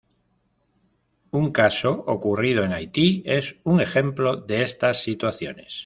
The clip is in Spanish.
Un caso ocurrido en Haití es un ejemplo de estas situaciones.